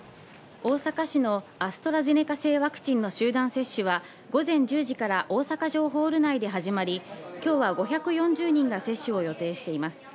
大阪市のアストラゼネカ製ワクチンの集団接種は午前１０時から大阪城ホール内で始まり、今日は５４０人が接種を予定しています。